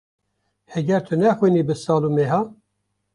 Heger tu nexwînî bi sal û meha.